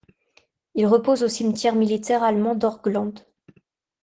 Il repose au Cimetière militaire allemand d'Orglandes.